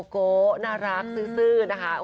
โกน่ารักซื้อนะคะ